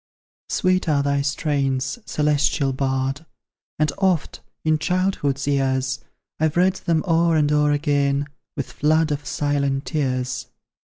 Sweet are thy strains, celestial Bard; And oft, in childhood's years, I've read them o'er and o'er again, With floods of silent tears.